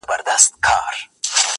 له مرغکیو به وي هیري مورنۍ سندري.!